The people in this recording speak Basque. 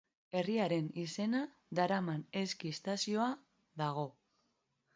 Herriaren izena daraman eski estazioa dago.